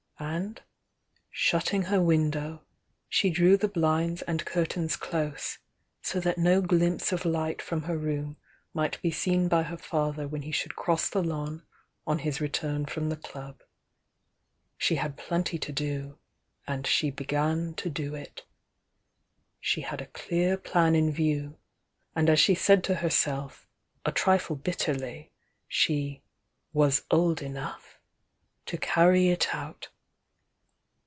And, shutting her window, she drew the blinds and curtains close, so that no glimpse of light from her room might be seen by her father when he should cross the lawn on his return from the Club. She had plenty to do, and she began to do it. She had a clear plan in view, and as she said to herself, a trifle bitterly, she "was old enough" to carry it out.